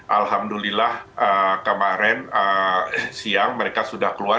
alhamdulillah kemarin siang mereka sudah keluar